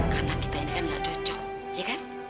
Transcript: karena kita ini kan gak cocok ya kan